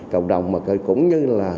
cộng đồng mà cũng như là